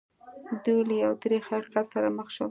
دوی له یو تریخ حقیقت سره مخ شول